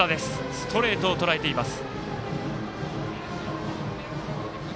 ストレートをとらえています。